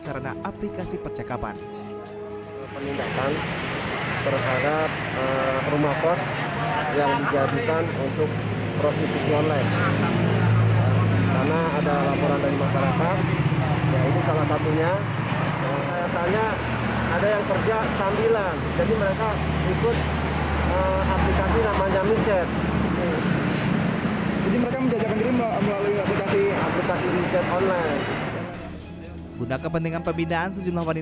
sarana aplikasi percakapan penindakan terhadap rumah kos yang dijadikan untuk prostitusi online